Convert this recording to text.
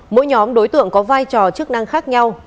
mỗi nhóm đối tượng có vai trò chức năng khác nhau